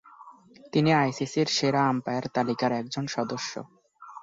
তিনি আইসিসি’র সেরা আম্পায়ার তালিকার একজন সদস্য।